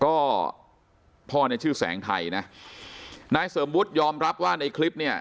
ก็พ่อเนี่ยชื่อแสงไทยนะนายเสริมวุฒิยอมรับว่าในคลิปเนี่ย